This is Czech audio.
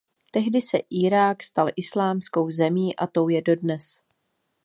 Tehdy se v Irák stal islámskou zemí a tou je dodnes.